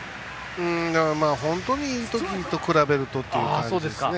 本当にいい時と比べるとっていう感じですね。